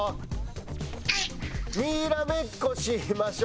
「にらめっこしましょ」